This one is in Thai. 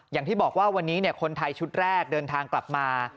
อย่างที่บอกว่าวันนี้คนไทยชุดแรกเดินทางกลับมา